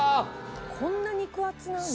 こんな肉厚なんだ。